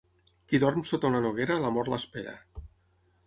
Qui dorm sota una noguera, la mort l'espera.